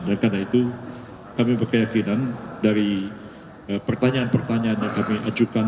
dan karena itu kami berkeyakinan dari pertanyaan pertanyaan yang kami ajukan